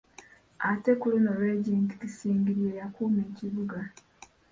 Ate ku luno Regent Kisingiri ye yakuuma Ekibuga.